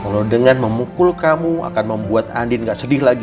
kalau dengan memukul kamu akan membuat andin gak sedih lagi